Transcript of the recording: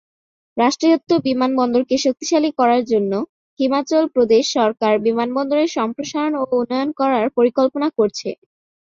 রাষ্ট্রায়ত্ত বিমানবন্দরকে শক্তিশালী করার জন্য, হিমাচল প্রদেশ সরকার বিমানবন্দরের সম্প্রসারণ ও উন্নয়ন করার পরিকল্পনা করছে।